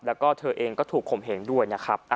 แล้วก็เธอเองก็ถูกข่มเหงด้วยนะครับ